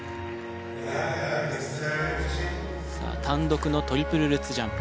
さあ単独のトリプルルッツジャンプ。